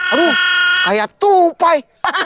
aduh kayak tupai